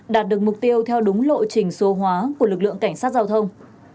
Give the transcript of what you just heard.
đạt được mục tiêu theo đúng lộ trình số hóa của lực lượng cảnh sát giao thông